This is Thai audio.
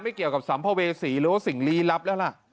เกี่ยวกับสัมภเวษีหรือว่าสิ่งลี้ลับแล้วล่ะ